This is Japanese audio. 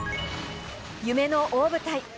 夢の大舞台